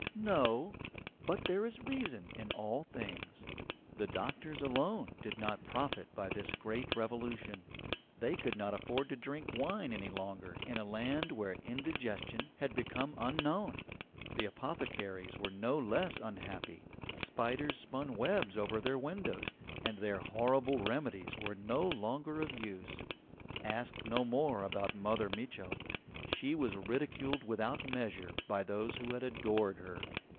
No; but there is reason in all things. The doctors alone did not profit by this great revolution. They could not afford to drink wine any longer in a land where indigestion had become unknown. The apothecaries were no less unhappy, spiders spun webs over their windows, and their horrible remedies were no longer of use. Ask no more about Mother Mitchel. She was ridiculed without measure by those who had adored her.